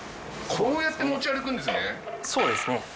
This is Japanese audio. こうやって持ち歩くんですね！